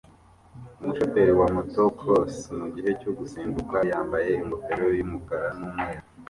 Umushoferi wa Motocross mugihe cyo gusimbuka yambaye ingofero yumukara numweru